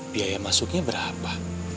biaya masuknya berapa